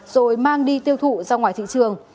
rồi mang đi tiêu thụ ra ngoài thị trường